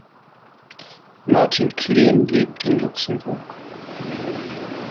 Martin Kleen lebt in Luxemburg.